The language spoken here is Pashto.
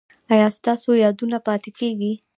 ایا ستاسو یادونه پاتې کیږي؟